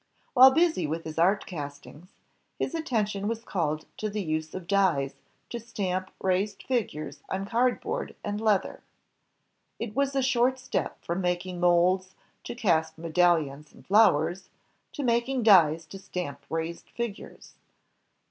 While busy with his art castings, his attention was called to the use of dies to stamp raised figures on card board and leather. It was a short step from making molds to cast medallions and flowers, to making dies to stamp raised figures.